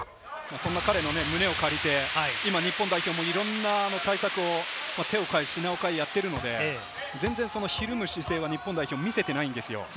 そんな彼の胸を借りて日本代表もいろいろな対策を手を変え品を変えやっているので、ひるむ姿勢は見せていないんですよ。